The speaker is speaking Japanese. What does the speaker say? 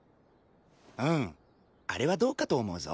うんあれはどうかと思うぞ。